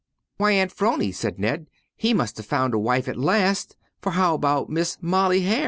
"Why, Aunt 'Phrony," said Ned, "he must have found a wife at last, for how about Mis' Molly Hyar'?"